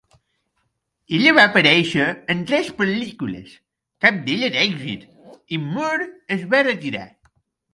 Ella va aparèixer en tres pel·lícules, cap d'ella d'èxit, i Moore es va retirar.